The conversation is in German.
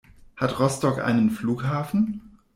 Hat Rostock einen Flughafen?